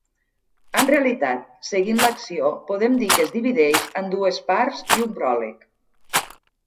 En realitat, seguint l'acció, podem dir que es divideix en dues parts i un pròleg.